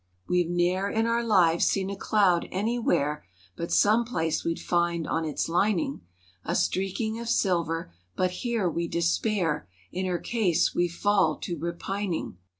We've ne'er in our lives seen a cloud anywhere But some place we'd find on its lining A streaking of silver; but here we despair— In her case we fall to repining!